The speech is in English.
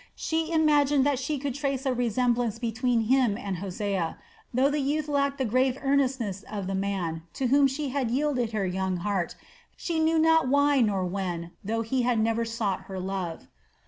She imagined that she could trace a resemblance between him and Hosea, though the youth lacked the grave earnestness of the man to whom she had yielded her young heart, she knew not why nor when, though he had never sought her love.